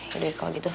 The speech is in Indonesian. yaudah ya kalau gitu